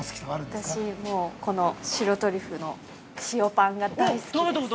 ◆私、もう、この白トリュフの塩パンが大好きです。